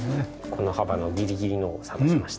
この幅のギリギリのを探しました。